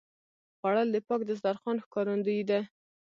خوړل د پاک دسترخوان ښکارندویي ده